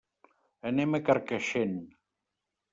Anem a Carcaixent.